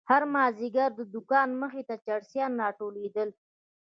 هر مازيگر د دوکانو مخې ته چرسيان راټولېدل.